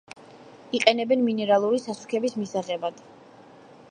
იყენებენ მინერალური სასუქების მისაღებად.